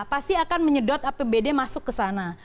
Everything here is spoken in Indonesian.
pasti akan menyedot apbd masuk ke sana